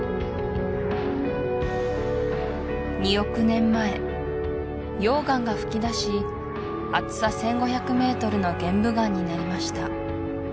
２億年前溶岩が噴き出し厚さ１５００ｍの玄武岩になりました